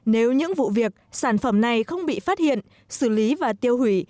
nếu những vụ việc sản phẩm này không bị phát hiện xử lý và tiêu hủy